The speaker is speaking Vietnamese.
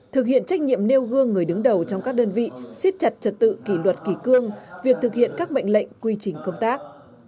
thực hiện trách nhiệm nêu gương người đứng đầu trong các đơn vị siết chặt trật tự kỷ luật kỷ cương việc thực hiện các mệnh lệnh quy trình công tác